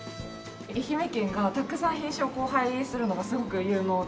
愛媛県がたくさん品種を交配するのがすごく有能で。